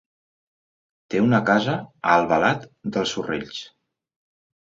Té una casa a Albalat dels Sorells.